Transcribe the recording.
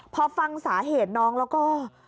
พอฟังสาเหตุน้องแล้วก็